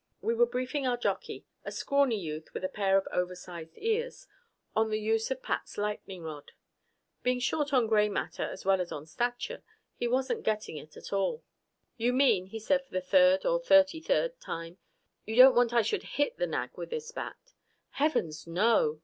We were briefing our jockey a scrawny youth with a pair of oversized ears on the use of Pat's lightening rod. Being short on gray matter as well as on stature, he wasn't getting it at all. "You mean," he said for the third or thirty third time, "you don't want I should hit the nag with this bat?" "Heavens, no!"